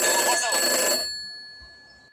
موږ به په ګډه د ورزش یو مرکز جوړ کړو.